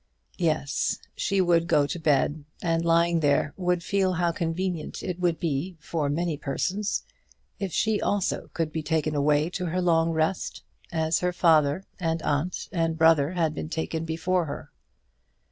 Yes; she would go to bed, and lying there would feel how convenient it would be for many persons if she also could be taken away to her long rest, as her father, and aunt, and brother had been taken before her.